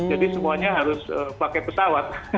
jadi semuanya harus pakai pesawat